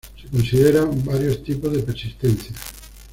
Se consideran varios tipos de persistencia.